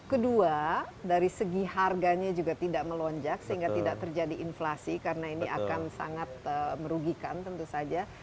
kedua dari segi harganya juga tidak melonjak sehingga tidak terjadi inflasi karena ini akan sangat merugikan tentu saja